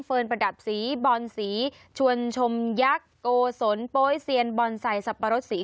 ประดับสีบอลสีชวนชมยักษ์โกศลโป๊ยเซียนบอลใส่สับปะรดสี